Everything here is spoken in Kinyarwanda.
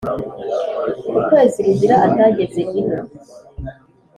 Ukwezi rugira atageze ino